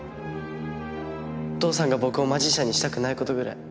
父さんが僕をマジシャンにしたくない事ぐらい。